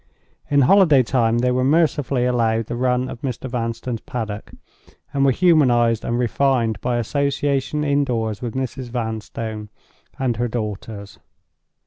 In holiday time they were mercifully allowed the run of Mr. Vanstone's paddock; and were humanized and refined by association, indoors, with Mrs. Vanstone and her daughters.